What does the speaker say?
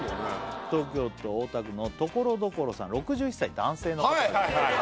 東京都大田区のところどころさん６１歳男性の方はい